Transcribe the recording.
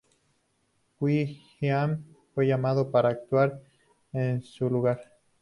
Will.i.am fue llamado para actuar en su lugar.